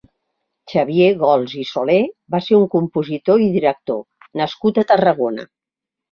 Xavier Gols i Soler va ser un compositor i director nascut a Tarragona.